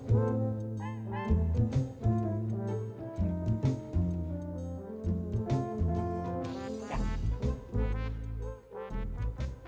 sampai jumpa lagi